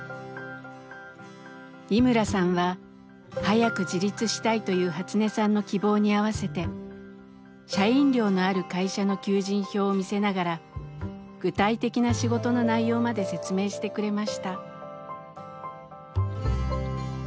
井村さんは早く自立したいというハツネさんの希望に合わせて社員寮のある会社の求人票を見せながら具体的な仕事の内容まで説明してくれました。